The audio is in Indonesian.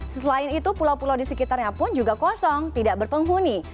selain itu pulau pulau di sekitarnya pun juga kosong tidak berpenghuni